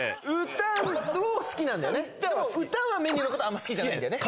歌は好き歌はメンディーのことあんま好きじゃないんだよね